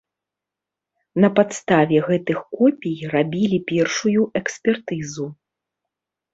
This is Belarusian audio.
На падставе гэтых копій рабілі першую экспертызу.